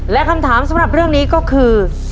และคำถามสำหรับเรื่องนี้ก็คือ